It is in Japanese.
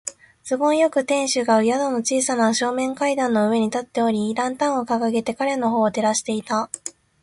都合よく、亭主が宿の小さな正面階段の上に立っており、ランタンをかかげて彼のほうを照らしていた。